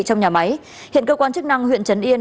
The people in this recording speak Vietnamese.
trong nhà máy hiện cơ quan chức năng huyện trấn yên